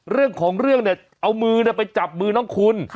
เรื่องของเรื่องเนี่ยเอามือไปจับมือน้องคุณ